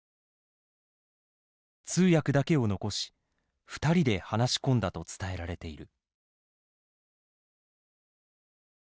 通訳だけを残し２人で話し込んだと伝えられている。